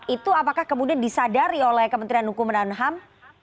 itu apakah kemudian disadari oleh kementerian hukum dan ham